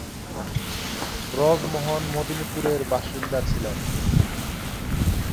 ব্রজমোহন মেদিনীপুরের বাসিন্দা ছিলেন।